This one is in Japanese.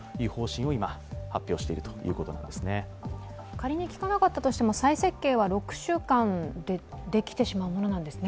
仮に効かなかったとしても再設計は６週間でできてしまうんですね。